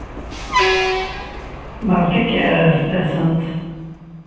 Berka akaɛrer fell-asent!